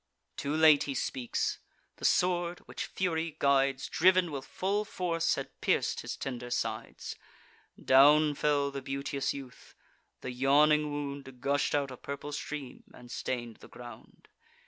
Too late he speaks: the sword, which fury guides, Driv'n with full force, had pierc'd his tender sides. Down fell the beauteous youth: the yawning wound Gush'd out a purple stream, and stain'd the ground.